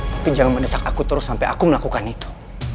tapi jangan menesak aku terus sampe aku melakukan itu